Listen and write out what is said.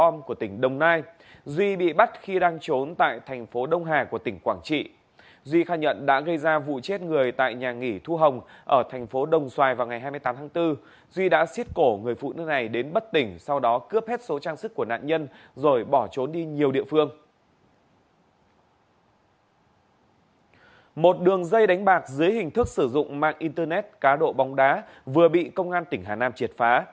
một đường dây đánh bạc dưới hình thức sử dụng mạng internet cá độ bóng đá vừa bị công an tỉnh hà nam triệt phá